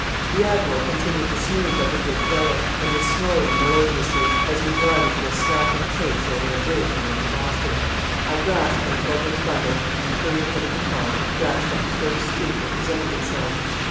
The Admiral continued to snooze like a good fellow, and was snoring melodiously as we glided at a slackened pace over a bridge and into Boston. I grasped my pilgrim's bundle, and, hurrying out of the car, dashed up the first street that presented itself.